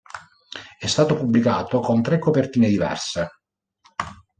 È stato pubblicato con tre copertine diverse.